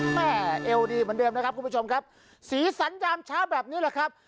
แม่เอวดีเหมือนเดิมนะครับคุณผู้ชมครับสีสันยามเช้าแบบนี้แหละครับ